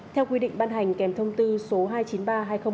theo quy định ban hành kèm thông tư số hai trăm chín mươi ba hai nghìn một mươi ba